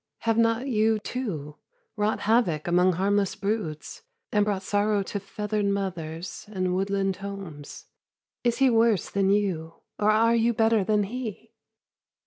Have not you, too, wrought havoc among harmless broods and brought sorrow to feathered mothers and woodland homes? Is he worse than you, or are you better than he?